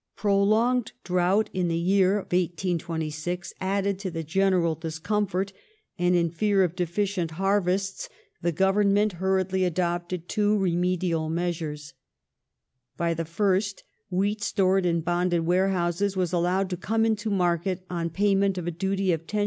Prolonged drought in the summer of 1826 added to the general Partial discomfort, and in fear of deficient harvests, the Government '^^^^^'*°". of Corn hurriedly adopted two remedial measures. By the fii st, wheat Laws stored in bonded warehouses was allowed to come into market on payment of a duty of 10s.